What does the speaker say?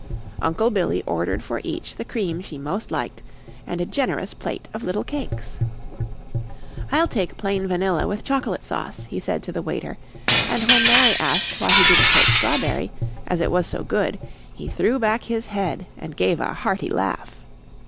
Uncle Billy ordered for each the cream she most liked and a generous plate of little cakes. "I'll take plain vanilla with chocolate sauce," he said to the waiter, and when Mary asked why he didn't take strawberry, as it was so good, he threw back his head and gave a hearty laugh.